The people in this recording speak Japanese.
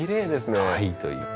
かわいいという。